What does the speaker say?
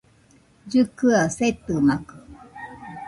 Llɨkɨaɨ setɨmakɨ